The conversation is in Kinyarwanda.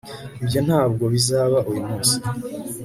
ibyo ntabwo bizaba uyu munsi